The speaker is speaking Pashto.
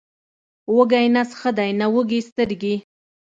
وږی نس ښه دی، نه وږې سترګې.